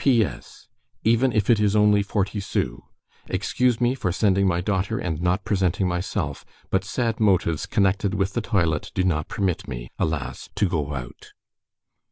P. S. Even if it is only forty sous. Excuse me for sending my daughter and not presenting myself, but sad motives connected with the toilet do not permit me, alas! to go out.